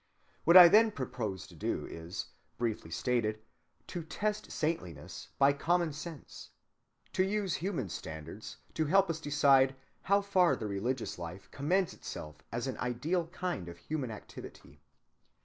What I then propose to do is, briefly stated, to test saintliness by common sense, to use human standards to help us decide how far the religious life commends itself as an ideal kind of human activity.